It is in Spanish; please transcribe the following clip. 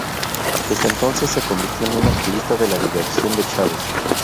Desde entonces, se convirtió en un activista de la liberación de Chávez.